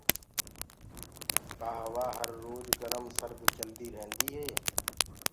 ڪآ هوآ هر روج گرم سرد چلدي ريهنٚدي هي